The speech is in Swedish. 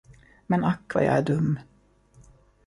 Men ack vad jag är dum!